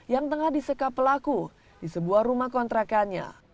yang tengah disekap pelaku di sebuah rumah kontrakannya